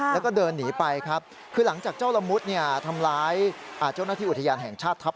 แล้วก็เดินหนีไปครับ